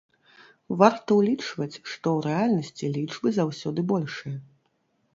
Варта ўлічваць, што ў рэальнасці лічбы заўсёды большыя.